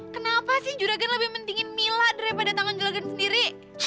kenapa sih juragan lebih pentingin mila daripada tangan juragan sendiri